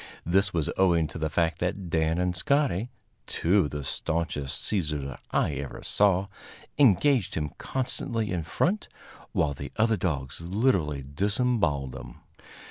This was owing to the fact that Dan and Scotty, two of the staunchest seizers I ever saw, engaged him constantly in front, while the other dogs literally disemboweled him.